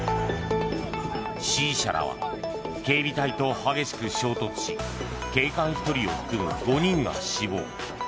支持者らは警備隊と激しく衝突し警官１人を含む５人が死亡。